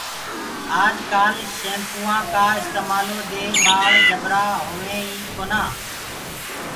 آج ڪآل شيمپوآ ڪآ استمالو دي ٻآݪ جبرآ هويِنٚ ئي ڪونآ۔